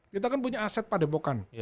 kita kan punya aset pada bokan